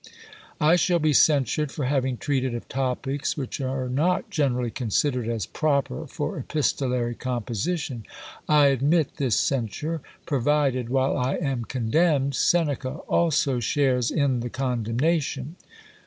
I shall be censured for having treated of topics which are not generally considered as proper for epistolary composition. I admit this censure, provided, while I am condemned, Seneca also shares in the condemnation.